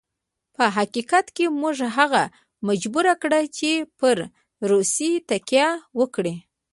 په حقیقت کې موږ هغه مجبور کړ چې پر روسیې تکیه وکړي.